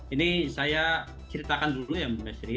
ini saya ceritakan dulu ya mbak desri